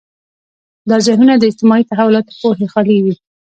دا ذهنونه د اجتماعي تحولاتو پوهې خالي وي.